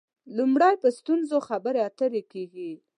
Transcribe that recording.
لومړی په ستونزو خبرې اترې کېږي.